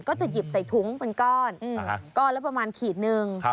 ก็จะหยิบใส่ถุงเป็นก้อนก้อนละประมาณขีดหนึ่ง